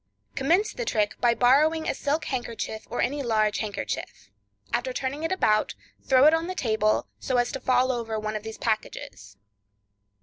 Commence the trick by borrowing a silk handkerchief, or any large handkerchief. After turning it about, throw it out on the table, so as to fall over one of these packages.